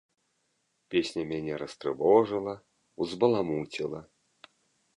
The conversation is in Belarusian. Песня мяне растрывожыла, узбаламуціла.